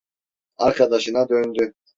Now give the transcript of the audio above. Arkadaşına döndü: